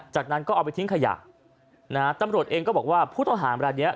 จากนั้นก็เอาไปทิ้งขยะนะฮะตำรวจเองก็บอกว่าผู้ต้องหาเวลาเนี้ย